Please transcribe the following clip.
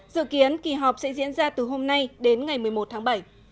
dự kiến kỳ họp sẽ diễn ra từ hôm nay đến ngày một mươi một tháng bảy